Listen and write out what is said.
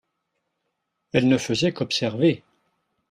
elle ne faisait qu'observer.